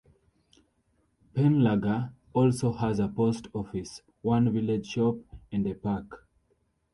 Penllergar also has a post Office, one village shop and a park.